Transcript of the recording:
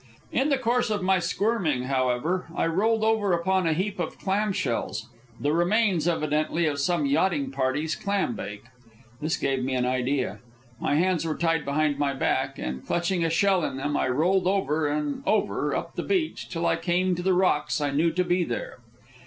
In the course of my squirming, however, I rolled over upon a heap of clam shells the remains, evidently, of some yachting party's clam bake. This gave me an idea. My hands were tied behind my back; and, clutching a shell in them, I rolled over and over, up the beach, till I came to the rocks I knew to be there.